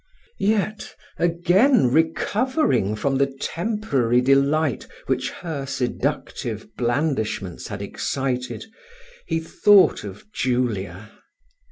Yet, again recovering from the temporary delight which her seductive blandishments had excited, he thought of Julia.